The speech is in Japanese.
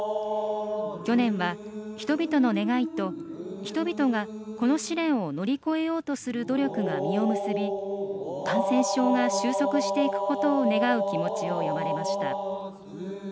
去年は、人々の願いと人々がこの試練を乗り越えようとする努力が実を結び感染症が収束していくことを願う気持ちを詠まれました。